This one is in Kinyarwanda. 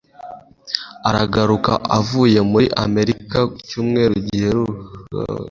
aragaruka avuye muri amerika icyumweru guhera uyu munsi